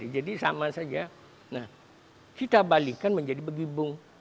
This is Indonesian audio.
jadi sama saja kita balikan menjadi megibung